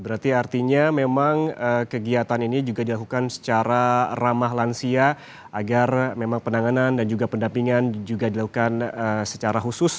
berarti artinya memang kegiatan ini juga dilakukan secara ramah lansia agar memang penanganan dan juga pendampingan juga dilakukan secara khusus